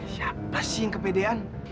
siapa sih yang kepedean